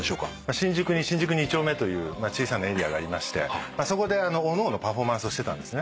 新宿に新宿二丁目という小さなエリアがありましてそこでおのおのパフォーマンスをしてたんですね